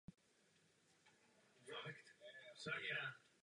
Jako důležité pro vznik strany se ukázaly dvě petice.